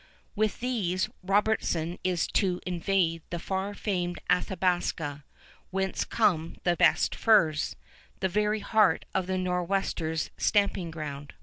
With these Robertson is to invade the far famed Athabasca, whence come the best furs, the very heart of the Nor'westers' stamping ground.